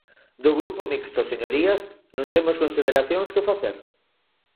Do Grupo Mixto, señorías, non temos consideracións que facer.